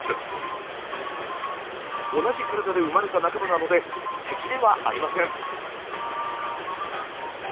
同じ体で生まれた仲間なので敵ではありません。